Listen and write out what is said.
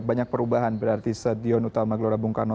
banyak perubahan berarti stadion utama gelora bung karno